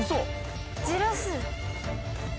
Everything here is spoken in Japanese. じらす。